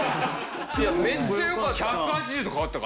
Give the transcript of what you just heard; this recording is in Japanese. いやめっちゃよかった。